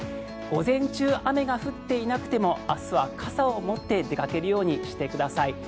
午前中雨が降っていなくても朝は傘を持って出かけるようにしてください。